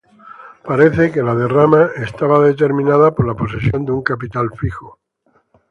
Parece que la derrama estaba determinada por la posesión de un capital fijo.